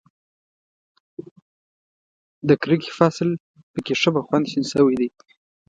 د کرکې فصل په کې ښه په خوند شین شوی دی.